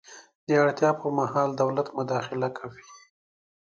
د اړتیا پر مهال دولت مداخله کوي.